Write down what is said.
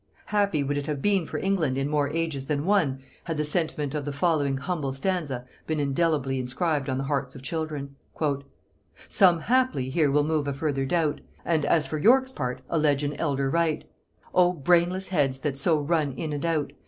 ] Happy would it have been for England in more ages than one, had the sentiment of the following humble stanza been indelibly inscribed on the hearts of children. "Some haply here will move a further doubt, And as for York's part allege an elder right: O brainless heads that so run in and out!